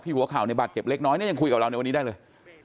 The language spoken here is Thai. หัวเข่าในบาดเจ็บเล็กน้อยเนี่ยยังคุยกับเราในวันนี้ได้เลย